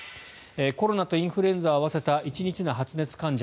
コロナとインフルエンザを合わせた１日の発熱患者